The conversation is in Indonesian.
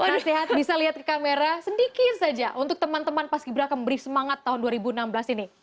semoga sehat bisa lihat ke kamera sedikit saja untuk teman teman paski beraka memberi semangat tahun dua ribu enam belas ini